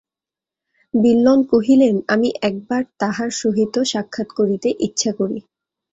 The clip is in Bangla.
বিল্বন কহিলেন, আমি একবার তাঁহার সহিত সাক্ষাৎ করিতে ইচ্ছা করি।